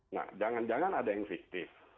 nah jangan jangan ada yang fiktif